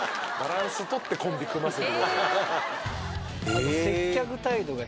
あと。